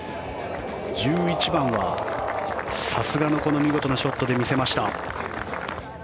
１１番はさすがのこの見事なショットで見せました。